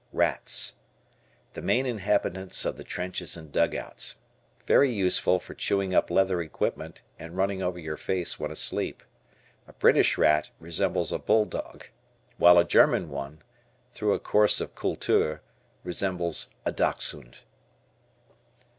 Rats. The main inhabitants of the trenches and dugouts. Very useful for chewing up leather equipment and running over your face when asleep. A British rat resembles a bull dog, while a German one, through a course of Kultur, resembles a dachshund.